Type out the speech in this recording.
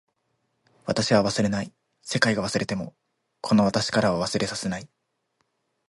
私は忘れない。世界が忘れてもこの私からは忘れさせない。